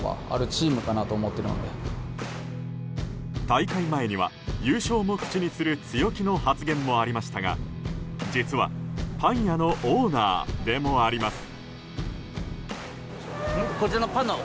大会前には優勝も口にする強気の発言もありましたが実はパン屋のオーナーでもあります。